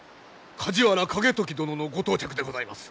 梶原景時殿のご到着でございます。